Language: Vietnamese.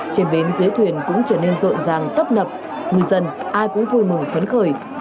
trên bến dưới thuyền cũng trở nên rộn ràng tấp nập ngư dân ai cũng vui mừng phấn khởi